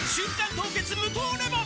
凍結無糖レモン」